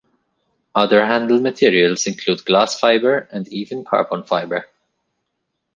Other handle materials include glass fiber and even carbon fiber.